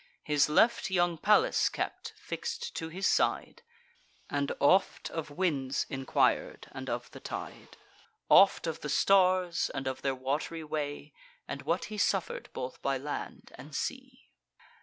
His left young Pallas kept, fix'd to his side, And oft of winds enquir'd, and of the tide; Oft of the stars, and of their wat'ry way; And what he suffer'd both by land and sea.